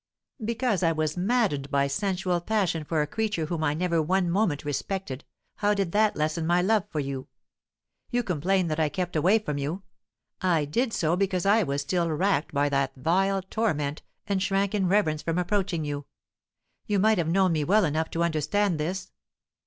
Because I was maddened by sensual passion for a creature whom I never one moment respected, how did that lessen my love for you? You complain that I kept away from you; I did so because I was still racked by that vile torment, and shrank in reverence from approaching you. You might have known me well enough to understand this.